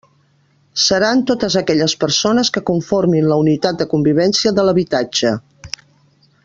Seran totes aquelles persones que conformin la unitat de convivència de l'habitatge.